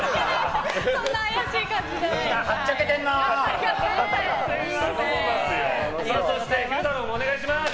そんな怪しい感じじゃないです。